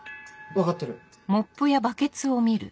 分かってる。